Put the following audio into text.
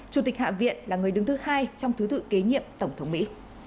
chủ tịch hạ viện là người đứng thứ hai trong thứ tự kế nhiệm tổng thống mỹ